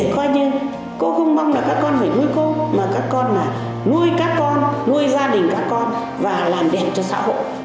coi như cô không mong là các con phải nuôi cô mà các con nuôi các con nuôi gia đình các con và làm đẹp cho xã hội